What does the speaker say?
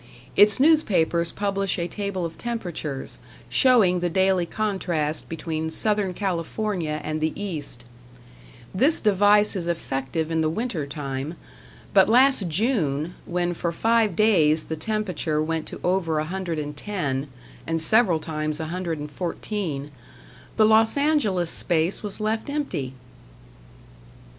Its newspapers publish a table of temperatures, showing the daily contrast between Southern California and the East. This device is effective in the winter time; but last June, when for five days the temperature went to over 110, and several times 114 the Los Angeles space was left empty!